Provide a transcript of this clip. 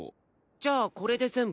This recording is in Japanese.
じゃあこれで全部？